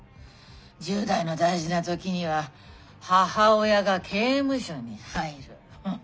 １０代の大事な時には母親が刑務所に入る。